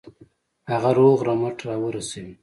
هغه روغ رمټ را ورسوي.